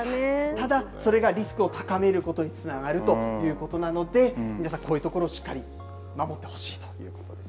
ただ、それがリスクを高めることにつながるということなので、皆さん、こういうところをしっかり守ってほしいということですね。